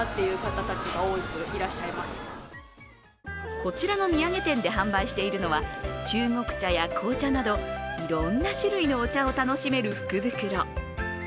こちらの土産店で販売しているのは中国茶や紅茶などいろんな種類のお茶を楽しめる福袋。